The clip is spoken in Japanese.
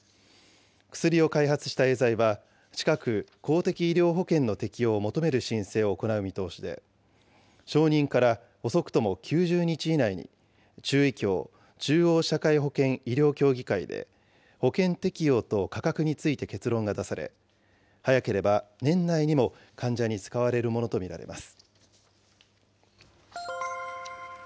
薬を開発したエーザイは、近く、公的医療保険の適用を求める申請を行う見通しで、承認から遅くとも９０日以内に中医協・中央社会保険医療協議会で、保険適用と価格について結論が出され、早ければ年内にも患者に使われるものと見られます。